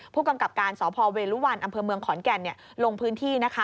ผู้กำกับการสพเวลุวันอำเภอเมืองขอนแก่นลงพื้นที่